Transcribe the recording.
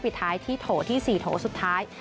ปิดท้ายที่โถที่๔โถสุดท้าย